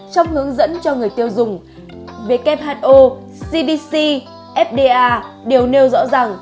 trong hướng dẫn cho người tiêu dùng who cdc fda đều nêu rõ rằng